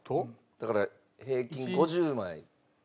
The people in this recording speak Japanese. だから平均５０枚。